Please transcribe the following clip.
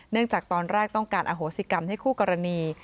จากตอนแรกต้องการอโหสิกรรมให้คู่กรณี